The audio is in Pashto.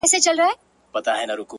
لكه ژړا ـ